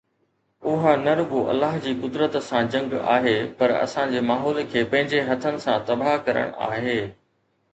اها نه رڳو الله جي قدرت سان جنگ آهي پر اسان جي ماحول کي پنهنجي هٿن سان تباهه ڪرڻ آهي